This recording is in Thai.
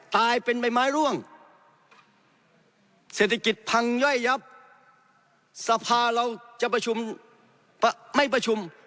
ตายเป็นใบไม้ร่วงเศรษฐกิจพังย่อยยับสภาเราจะประชุมไม่ประชุม